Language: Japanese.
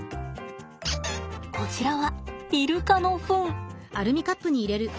こちらはイルカのフン。